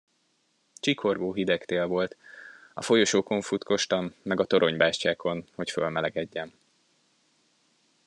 Csikorgó hideg tél volt; a folyosókon futkostam, meg a toronybástyákon, hogy fölmelegedjem.